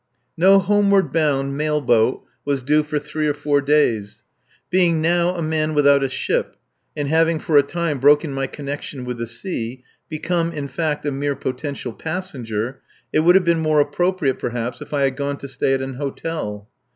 No homeward bound mail boat was due for three or four days. Being now a man without a ship, and having for a time broken my connection with the sea become, in fact, a mere potential passenger it would have been more appropriate perhaps if I had gone to stay at an hotel.